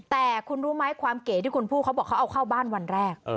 แต่คุณรู้ไหมความเก๋ที่คุณพูดเขาบอกเขาเอาเข้าบ้านวันแรก